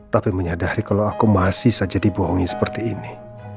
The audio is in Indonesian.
tapi menyadari kalau aku masih saja dibohongi seperti ini